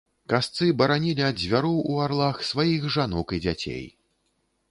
Касцы баранілі ад звяроў у арлах сваіх жанок і дзяцей.